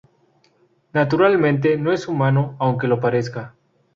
Naturalmente, no es humano, aunque lo parezca.